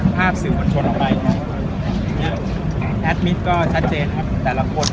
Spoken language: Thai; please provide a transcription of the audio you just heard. ภาพสื่อบทชนออกมันไปแอดมิตก็ชัดเจน